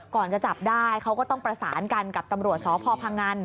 ก่อนจะจับได้เขาก็ต้องประสานกันกับตำรวจสพพงัน